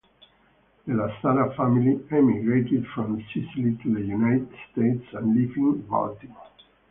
The Lazzara family emigrated from Sicily to the United States and lived in Baltimore.